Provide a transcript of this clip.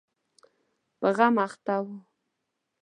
په غم اخته و.